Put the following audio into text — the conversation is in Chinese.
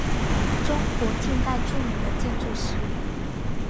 中国近代著名的建筑师。